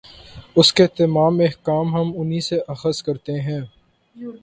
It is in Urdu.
اُس کے تمام احکام ہم اِنھی سے اخذ کرتے ہیں